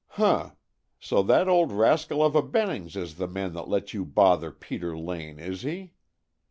"Huh! So that old rascal of a Bennings is the man that let you bother Peter Lane, is he?